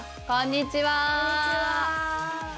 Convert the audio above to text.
こんにちは！